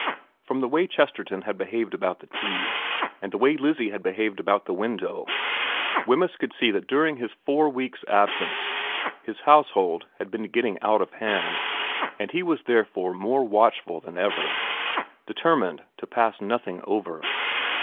From the way Chesterton had behaved about the tea, and the way Lizzie had behaved about the window, Wemyss could see that during his four weeks' absence his household had been getting out of hand, and he was therefore more watchful than ever, deter mined to pass nothing over.